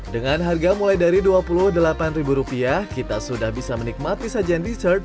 dengan harga mulai dari rp dua puluh delapan kita sudah bisa menikmati sajian dessert